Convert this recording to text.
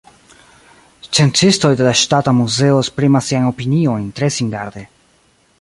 Sciencistoj de la Ŝtata Muzeo esprimas siajn opiniojn tre singarde.